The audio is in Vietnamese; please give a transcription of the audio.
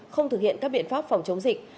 không thực hiện các biện pháp phòng chống dịch